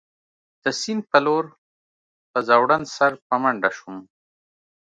د سیند په لور په ځوړند سر په منډه شوم.